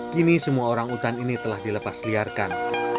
kini semua orangutan ini telah dilepasliarkan